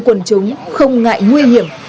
quần chúng không ngại nguy hiểm